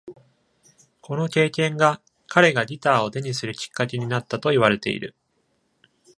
この経験が、彼がギターを手にするきっかけになったと言われている。